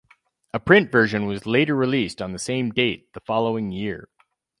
A print version was later released on the same date the following year.